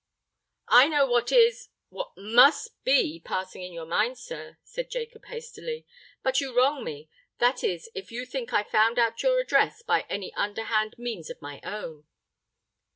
"I know what is—what must be passing in your mind, sir," said Jacob hastily; "but you wrong me—that is, if you think I found out your address by any underhand means of my own."